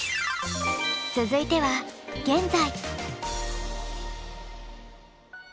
続いては「現在」。